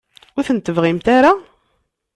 Ur ten-tebɣimt ara?